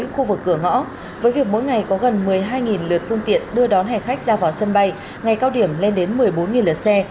khu vực cửa ngõ với việc mỗi ngày có gần một mươi hai lượt phương tiện đưa đón hẻ khách ra vào sân bay ngày cao điểm lên đến một mươi bốn lượt xe